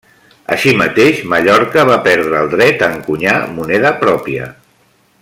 Així mateix, Mallorca va perdre el dret a encunyar moneda pròpia.